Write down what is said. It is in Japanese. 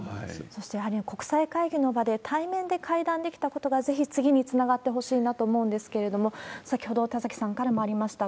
そしてやはり国際会議の場で対面で会談できたことが、ぜひ次につながってほしいなと思うんですけれども、先ほど田崎さんからもありました、